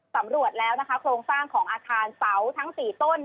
สำรวจแล้วนะคะโครงสร้างของอาคารเสาทั้ง๔ต้น